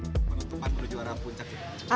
menutupan penuju arah puncak